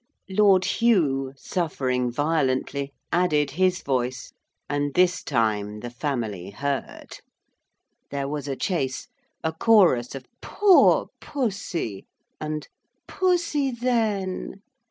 Lord Hugh, suffering violently, added his voice, and this time the family heard. There was a chase, a chorus of 'Poor pussy!' and 'Pussy, then!'